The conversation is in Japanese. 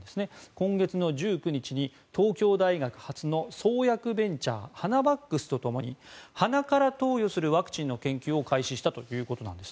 今月の１９日に東京大学発の創薬ベンチャーハナバックスとともに鼻から投与するワクチンの開発を開始したということなんです。